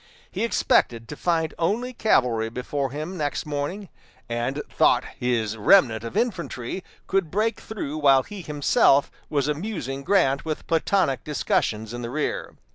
He expected to find only cavalry before him next morning, and thought his remnant of infantry could break through while he himself was amusing Grant with platonic discussions in the rear.